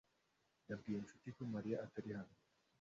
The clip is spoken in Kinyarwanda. Nabwiye Ncuti ko Mariya atari hano .